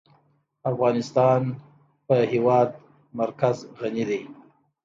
افغانستان په د هېواد مرکز غني دی.